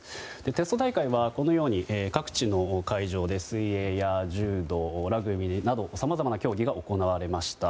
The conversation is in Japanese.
テスト大会は各地の会場で水泳や柔道ラグビーなどさまざまな競技が行われました。